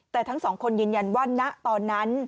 แต่ทั้งสองคนยืนยันว่าณตอนนั้น